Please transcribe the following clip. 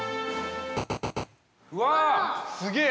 ◆うわあ、すげえ。